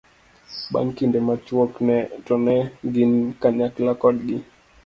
bang' kinde machuok to ne gin kanyakla kodgi